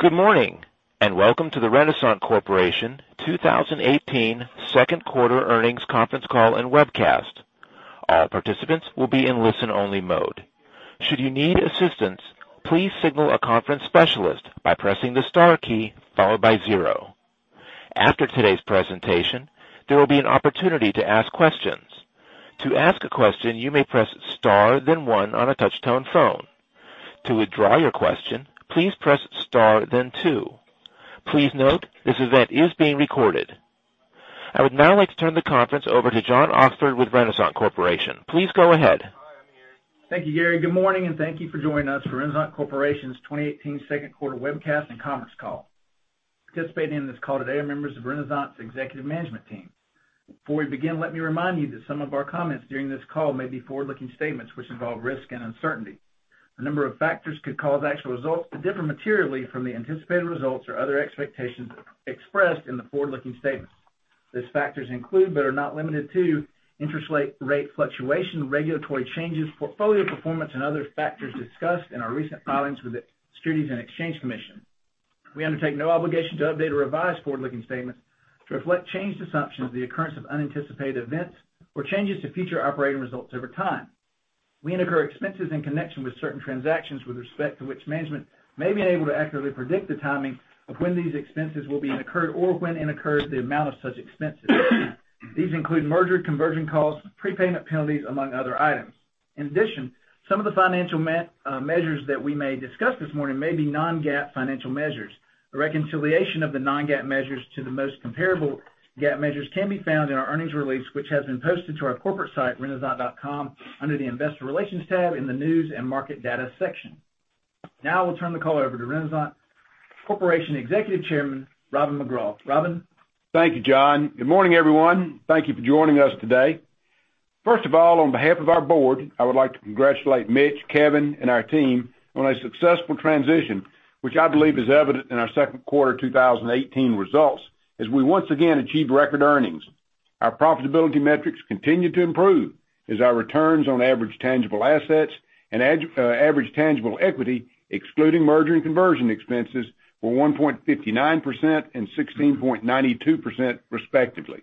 Good morning, and welcome to the Renasant Corporation 2018 second quarter earnings conference call and webcast. All participants will be in listen only mode. Should you need assistance, please signal a conference specialist by pressing the star key followed by zero. After today's presentation, there will be an opportunity to ask questions. To ask a question, you may press star then one on a touch-tone phone. To withdraw your question, please press star, then two. Please note, this event is being recorded. I would now like to turn the conference over to John Oxford with Renasant Corporation. Please go ahead. Thank you, Gary. Good morning, and thank you for joining us for Renasant Corporation's 2018 second quarter webcast and conference call. Participating in this call today are members of Renasant's executive management team. Before we begin, let me remind you that some of our comments during this call may be forward-looking statements which involve risk and uncertainty. A number of factors could cause actual results to differ materially from the anticipated results or other expectations expressed in the forward-looking statements. These factors include, but are not limited to, interest rate fluctuation, regulatory changes, portfolio performance, and other factors discussed in our recent filings with the Securities and Exchange Commission. We undertake no obligation to update or revise forward-looking statements to reflect changed assumptions, the occurrence of unanticipated events, or changes to future operating results over time. We incur expenses in connection with certain transactions with respect to which management may be unable to accurately predict the timing of when these expenses will be incurred or when incurred the amount of such expenses. These include merger conversion costs, prepayment penalties, among other items. In addition, some of the financial measures that we may discuss this morning may be non-GAAP financial measures. A reconciliation of the non-GAAP measures to the most comparable GAAP measures can be found in our earnings release, which has been posted to our corporate site, renasant.com, under the investor relations tab in the news and market data section. Now I will turn the call over to Renasant Corporation Executive Chairman, Robin McGraw. Robin? Thank you, John. Good morning, everyone. Thank you for joining us today. First of all, on behalf of our board, I would like to congratulate Mitch, Kevin, and our team on a successful transition, which I believe is evident in our second quarter 2018 results, as we once again achieved record earnings. Our profitability metrics continue to improve as our returns on average tangible assets and average tangible equity, excluding merger and conversion expenses, were 1.59% and 16.92% respectively.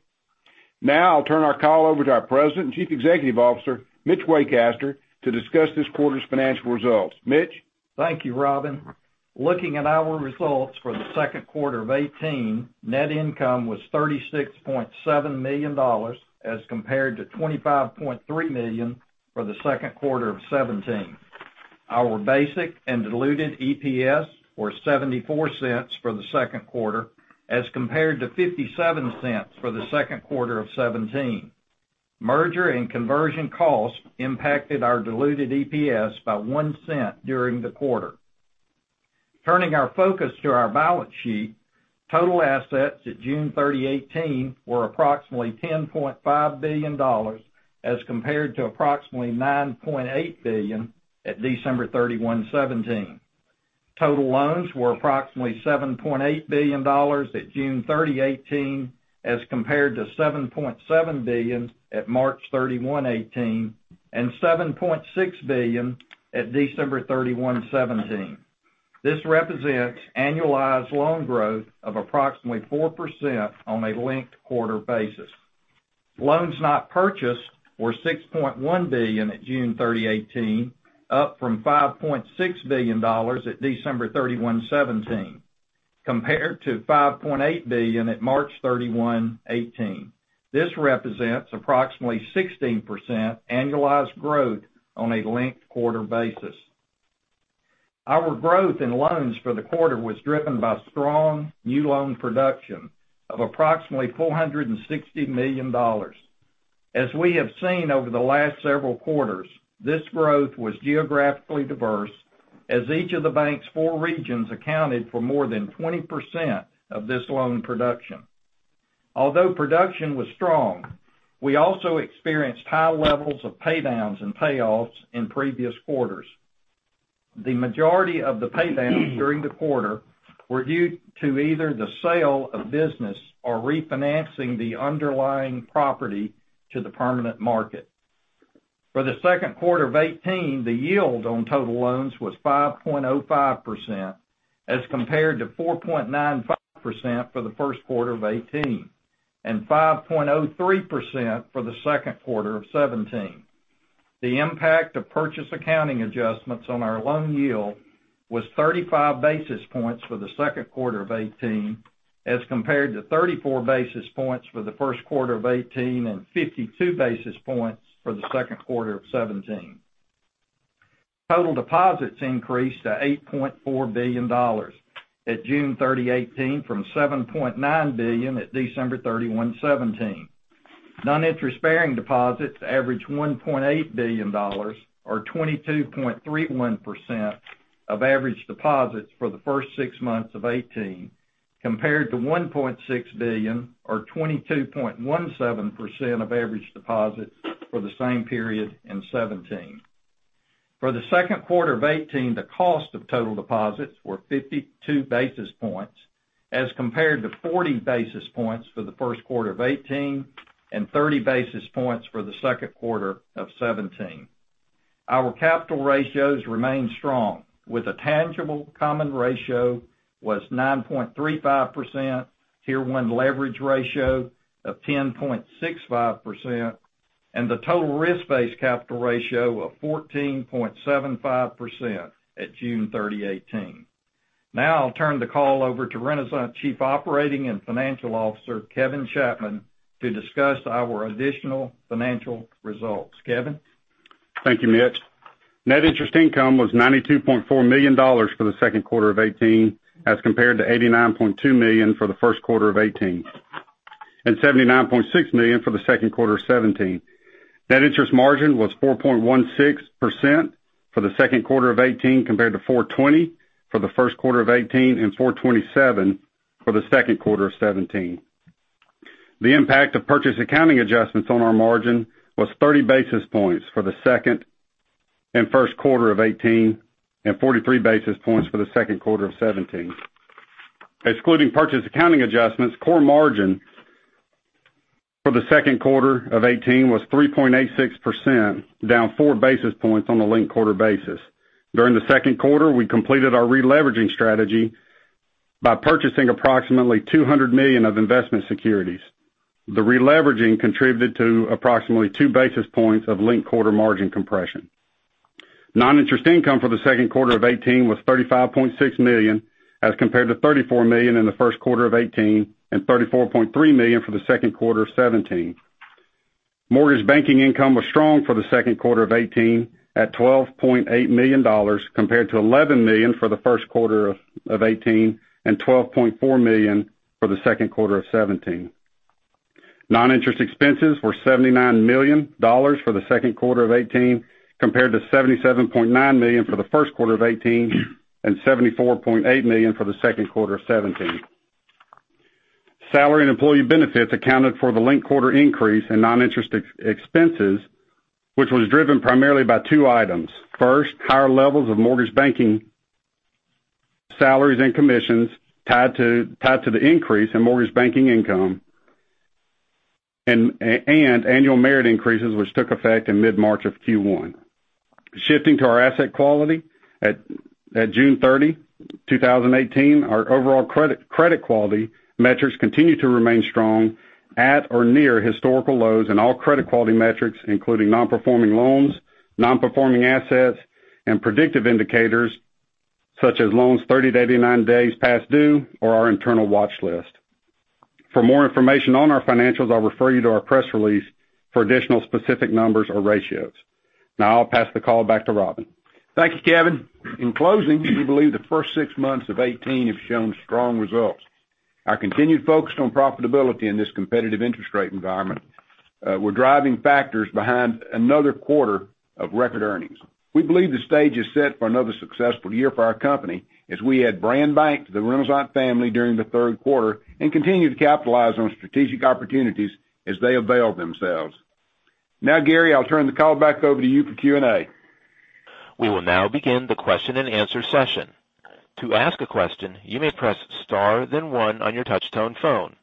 Now I'll turn our call over to our President and Chief Executive Officer, Mitch Waycaster, to discuss this quarter's financial results. Mitch? Thank you, Robin. Looking at our results for the second quarter of 2018, net income was $36.7 million, as compared to $25.3 million for the second quarter of 2017. Our basic and diluted EPS were $0.74 for the second quarter, as compared to $0.57 for the second quarter of 2017. Merger and conversion costs impacted our diluted EPS by $0.01 during the quarter. Turning our focus to our balance sheet, total assets at June 30, 2018, were approximately $10.5 billion, as compared to approximately $9.8 billion at December 31, 2017. Total loans were approximately $7.8 billion at June 30, 2018, as compared to $7.7 billion at March 31, 2018, and $7.6 billion at December 31, 2017. This represents annualized loan growth of approximately 4% on a linked quarter basis. Loans not purchased were $6.1 billion at June 30, 2018, up from $5.6 billion at December 31, 2017, compared to $5.8 billion at March 31, 2018. This represents approximately 16% annualized growth on a linked quarter basis. Our growth in loans for the quarter was driven by strong new loan production of approximately $460 million. As we have seen over the last several quarters, this growth was geographically diverse, as each of the bank's four regions accounted for more than 20% of this loan production. Although production was strong, we also experienced high levels of paydowns and payoffs in previous quarters. The majority of the paydowns during the quarter were due to either the sale of business or refinancing the underlying property to the permanent market. For the second quarter of 2018, the yield on total loans was 5.05%, as compared to 4.95% for the first quarter of 2018, and 5.03% for the second quarter of 2017. The impact of purchase accounting adjustments on our loan yield was 35 basis points for the second quarter of 2018, as compared to 34 basis points for the first quarter of 2018 and 52 basis points for the second quarter of 2017. Total deposits increased to $8.4 billion at June 30, 2018, from $7.9 billion at December 31, 2017. Non-interest-bearing deposits averaged $1.8 billion, or 22.31%, of average deposits for the first six months of 2018, compared to $1.6 billion, or 22.17%, of average deposits for the same period in 2017. For the second quarter of 2018, the cost of total deposits were 52 basis points, as compared to 40 basis points for the first quarter of 2018, and 30 basis points for the second quarter of 2017. Our capital ratios remain strong, with a tangible common ratio was 9.35%, Tier 1 leverage ratio of 10.65%, and the total risk-based capital ratio of 14.75% at June 30, 2018. Now I'll turn the call over to Renasant Chief Operating and Financial Officer, Kevin Chapman, to discuss our additional financial results. Kevin? Thank you, Mitch. Net interest income was $92.4 million for the second quarter of 2018, as compared to $89.2 million for the first quarter of 2018, and $79.6 million for the second quarter of 2017. Net interest margin was 4.16% for the second quarter of 2018, compared to 4.20% for the first quarter of 2018, and 4.27% for the second quarter of 2017. The impact of purchase accounting adjustments on our margin was 30 basis points for the second and first quarter of 2018, and 43 basis points for the second quarter of 2017. Excluding purchase accounting adjustments, core margin for the second quarter of 2018 was 3.86%, down four basis points on a linked quarter basis. During the second quarter, we completed our re-leveraging strategy by purchasing approximately $200 million of investment securities. The re-leveraging contributed to approximately two basis points of linked quarter margin compression. Non-interest income for the second quarter of 2018 was $35.6 million, as compared to $34 million in the first quarter of 2018, and $34.3 million for the second quarter of 2017. Mortgage banking income was strong for the second quarter of 2018 at $12.8 million, compared to $11 million for the first quarter of 2018, and $12.4 million for the second quarter of 2017. Non-interest expenses were $79 million for the second quarter of 2018, compared to $77.9 million for the first quarter of 2018, and $74.8 million for the second quarter of 2017. Salary and employee benefits accounted for the linked quarter increase in non-interest expenses, which was driven primarily by two items. First, higher levels of mortgage banking salaries and commissions tied to the increase in mortgage banking income, and annual merit increases which took effect in mid-March of Q1. Shifting to our asset quality at June 30, 2018, our overall credit quality metrics continue to remain strong at or near historical lows in all credit quality metrics, including non-performing loans, non-performing assets, and predictive indicators such as loans 30 to 89 days past due, or our internal watch list. For more information on our financials, I'll refer you to our press release for additional specific numbers or ratios. Now I'll pass the call back to Robin. Thank you, Kevin. In closing, we believe the first six months of 2018 have shown strong results. Our continued focus on profitability in this competitive interest rate environment were driving factors behind another quarter of record earnings. We believe the stage is set for another successful year for our company as we add BrandBank to the Renasant family during the third quarter, and continue to capitalize on strategic opportunities as they avail themselves. Now, Gary, I'll turn the call back over to you for Q&A. We will now begin the question and answer session. To ask a question, you may press star then one on your touch tone phone.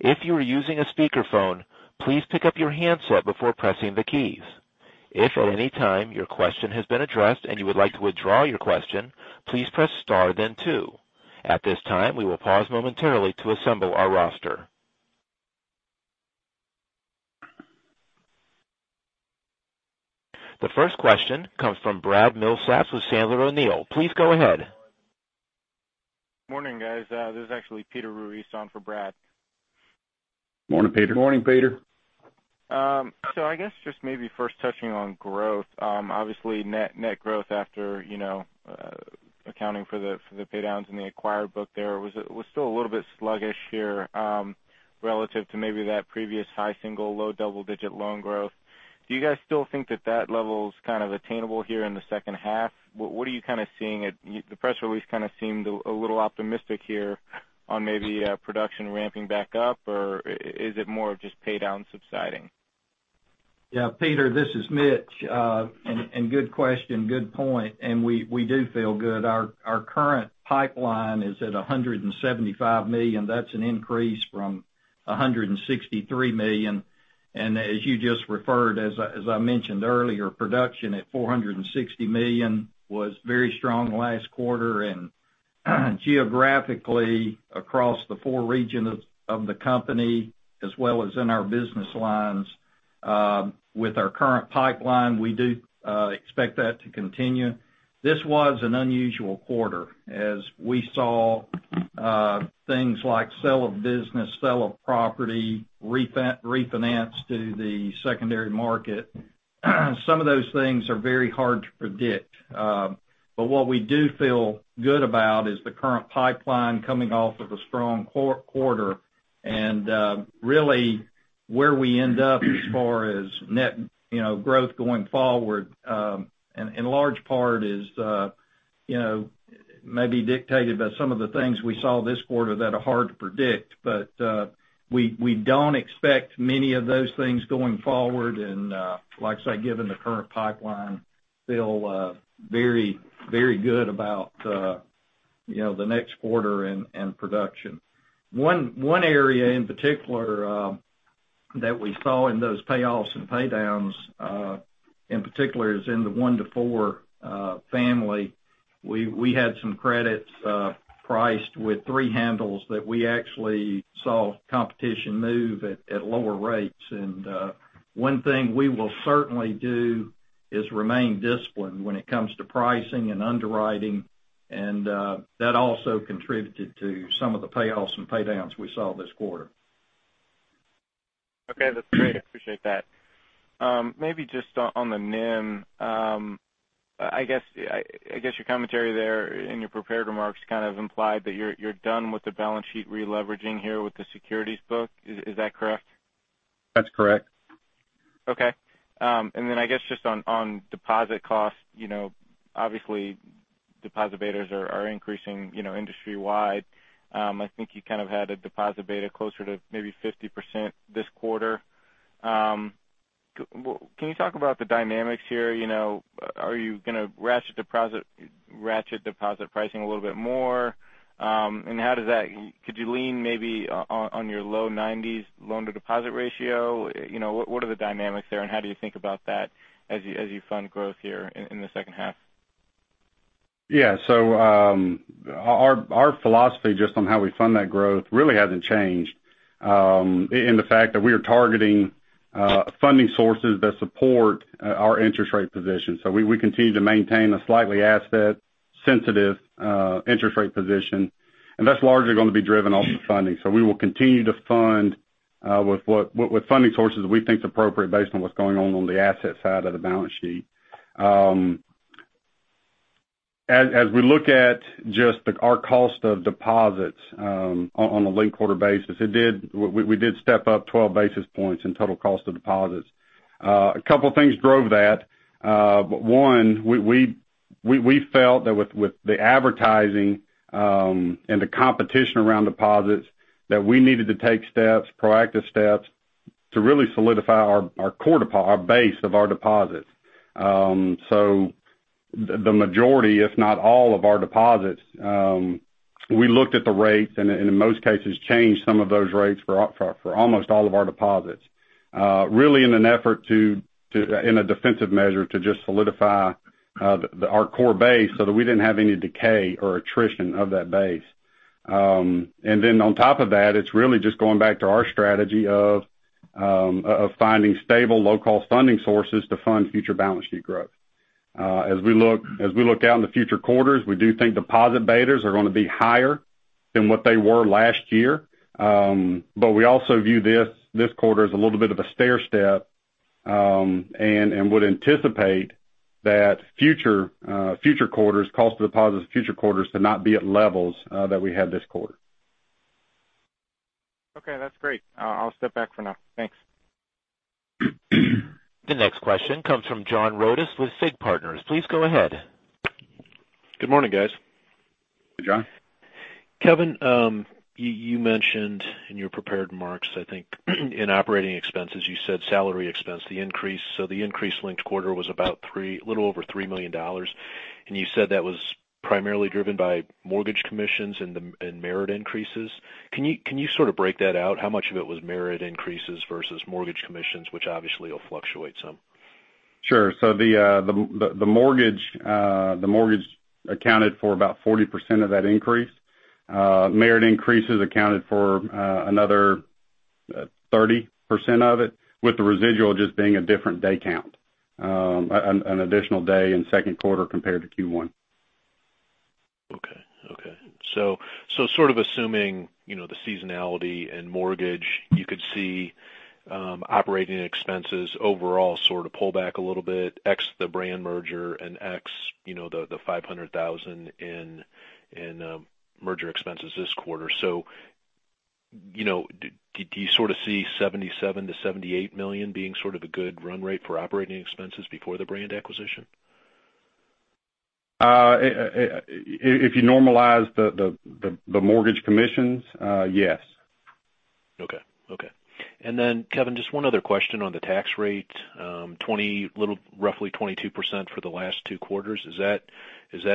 If you are using a speakerphone, please pick up your handset before pressing the keys. If at any time your question has been addressed and you would like to withdraw your question, please press star then two. At this time, we will pause momentarily to assemble our roster. The first question comes from Brad Milsaps with Sandler O'Neill. Please go ahead. Morning, guys. This is actually Peter Ruiz on for Brad. Morning, Peter. Morning, Peter. I guess just maybe first touching on growth. Obviously, net growth after accounting for the pay downs in the acquired book there was still a little bit sluggish here relative to maybe that previous high single, low double-digit loan growth. Do you guys still think that level is attainable here in the second half? What are you seeing? The press release seemed a little optimistic here on maybe production ramping back up, or is it more of just pay downs subsiding? Yeah, Peter, this is Mitch. Good question. Good point. We do feel good. Our current pipeline is at $175 million. That's an increase from $163 million. As you just referred, as I mentioned earlier, production at $460 million was very strong last quarter, and geographically across the four regions of the company, as well as in our business lines. With our current pipeline, we do expect that to continue. This was an unusual quarter as we saw things like sell of business, sell of property, refinance to the secondary market. Some of those things are very hard to predict. What we do feel good about is the current pipeline coming off of a strong quarter, and really where we end up as far as net growth going forward, in large part is maybe dictated by some of the things we saw this quarter that are hard to predict. We don't expect many of those things going forward, and like I say, given the current pipeline, feel very good about the next quarter and production. That we saw in those payoffs and pay downs, in particular, is in the one to four family. We had some credits priced with three handles that we actually saw competition move at lower rates. One thing we will certainly do is remain disciplined when it comes to pricing and underwriting, and that also contributed to some of the payoffs and pay downs we saw this quarter. Okay, that's great. Appreciate that. Maybe just on the NIM. I guess your commentary there in your prepared remarks kind of implied that you're done with the balance sheet re-leveraging here with the securities book. Is that correct? That's correct. Okay. Then I guess just on deposit costs, obviously deposit betas are increasing industry-wide. I think you kind of had a deposit beta closer to maybe 50% this quarter. Can you talk about the dynamics here? Are you going to ratchet deposit pricing a little bit more? Could you lean maybe on your low 90s loan to deposit ratio? What are the dynamics there, and how do you think about that as you fund growth here in the second half? Yeah. Our philosophy, just on how we fund that growth, really hasn't changed, in the fact that we are targeting funding sources that support our interest rate position. We continue to maintain a slightly asset sensitive interest rate position, and that's largely going to be driven off of funding. We will continue to fund with funding sources that we think is appropriate based on what's going on on the asset side of the balance sheet. As we look at just our cost of deposits on a linked quarter basis, we did step up 12 basis points in total cost of deposits. A couple of things drove that. One, we felt that with the advertising, and the competition around deposits, that we needed to take steps, proactive steps, to really solidify our base of our deposits. The majority, if not all of our deposits, we looked at the rates, and in most cases, changed some of those rates for almost all of our deposits, really in an effort to, in a defensive measure, to just solidify our core base so that we didn't have any decay or attrition of that base. On top of that, it's really just going back to our strategy of finding stable, low-cost funding sources to fund future balance sheet growth. As we look out in the future quarters, we do think deposit betas are going to be higher than what they were last year. We also view this quarter as a little bit of a stair step, and would anticipate that future quarters, cost of deposits future quarters, to not be at levels that we had this quarter. Okay, that's great. I'll step back for now. Thanks. The next question comes from John Rodus with FIG Partners. Please go ahead. Good morning, guys. Hey, John. Kevin, you mentioned in your prepared remarks, I think, in operating expenses, you said salary expense, the increase linked quarter was a little over $3 million. You said that was primarily driven by mortgage commissions and merit increases. Can you sort of break that out? How much of it was merit increases versus mortgage commissions, which obviously will fluctuate some? Sure. The mortgage accounted for about 40% of that increase. Merit increases accounted for another 30% of it, with the residual just being a different day count. An additional day in second quarter compared to Q1. Okay. Sort of assuming the seasonality in mortgage, you could see operating expenses overall sort of pull back a little bit, X the Brand merger and X the $500,000 in merger expenses this quarter. Do you sort of see $77 million-$78 million being sort of a good run rate for operating expenses before the Brand acquisition? If you normalize the mortgage commissions, yes. Okay. Kevin, just one other question on the tax rate. Roughly 22% for the last two quarters. Is that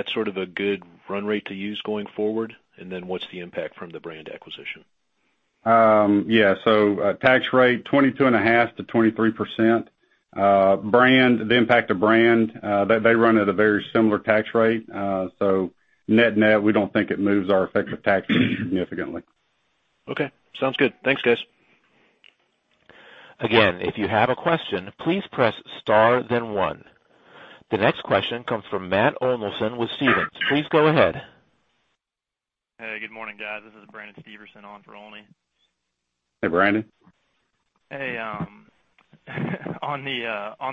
sort of a good run rate to use going forward? What's the impact from the BrandBank acquisition? Yeah. Tax rate, 22.5%-23%. The impact of BrandBank, they run at a very similar tax rate. Net-net, we don't think it moves our effective tax rate significantly. Okay, sounds good. Thanks, guys. Again, if you have a question, please press star, then one. The next question comes from Matt Olney with Stephens. Please go ahead. Hey, good morning, guys. This is Brandon Steverson on for Olney. Hey, Brandon. Hey. On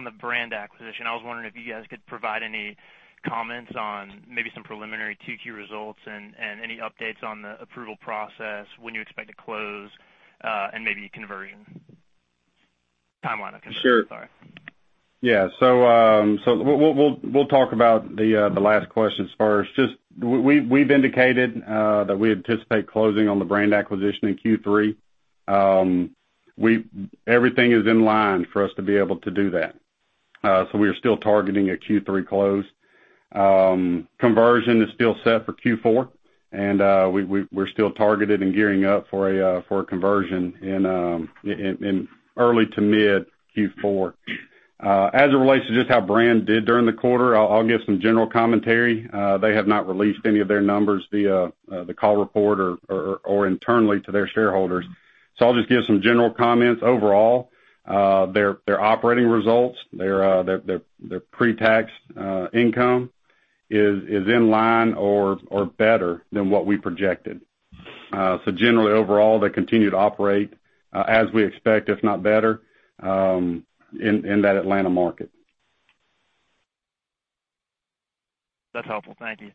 the Brand acquisition, I was wondering if you guys could provide any comments on maybe some preliminary 2Q results and any updates on the approval process, when you expect to close, and maybe conversion. Timeline of conversion. Sorry. Sure. Yeah. We'll talk about the last question first. We've indicated that we anticipate closing on the BrandBank acquisition in Q3. Everything is in line for us to be able to do that. We are still targeting a Q3 close. Conversion is still set for Q4, and we're still targeted and gearing up for a conversion in early to mid Q4. As it relates to just how BrandBank did during the quarter, I'll give some general commentary. They have not released any of their numbers via the call report or internally to their shareholders. I'll just give some general comments. Overall, their operating results, their pre-tax income is in line or better than what we projected. Generally overall, they continue to operate as we expect, if not better, in that Atlanta market. That's helpful. Thank you.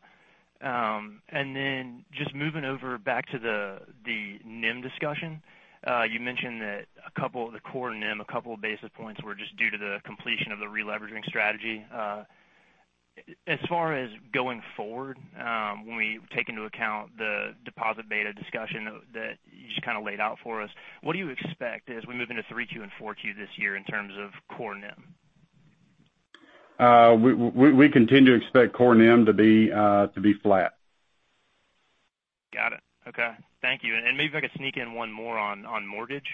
Just moving over back to the NIM discussion. You mentioned that the core NIM, a couple of basis points were just due to the completion of the releveraging strategy. As far as going forward, when we take into account the deposit beta discussion that you just kind of laid out for us, what do you expect as we move into Q3 and Q4 this year in terms of core NIM? We continue to expect core NIM to be flat. Got it. Okay. Thank you. Maybe if I could sneak in one more on mortgage.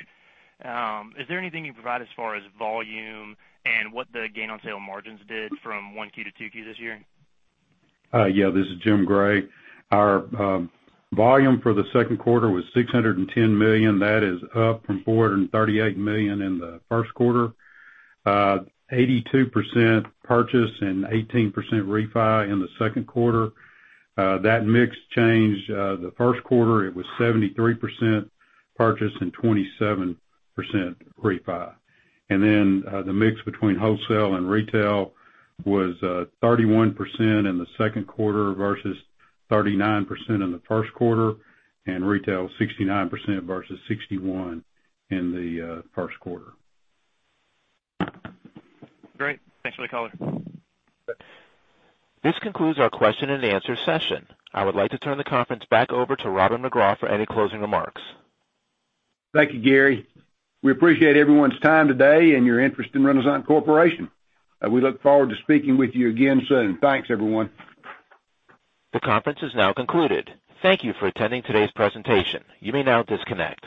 Is there anything you can provide as far as volume and what the gain on sale margins did from Q1 to Q2 this year? Yeah, this is Jim Gray. Our volume for the second quarter was $610 million. That is up from $438 million in the first quarter. 82% purchase and 18% refi in the second quarter. That mix changed. The first quarter, it was 73% purchase and 27% refi. Then the mix between wholesale and retail was 31% in the second quarter versus 39% in the first quarter, and retail 69% versus 61 in the first quarter. Great. Thanks for the color. This concludes our question and answer session. I would like to turn the conference back over to Robin McGraw for any closing remarks. Thank you, Gary. We appreciate everyone's time today and your interest in Renasant Corporation. We look forward to speaking with you again soon. Thanks, everyone. The conference is now concluded. Thank you for attending today's presentation. You may now disconnect.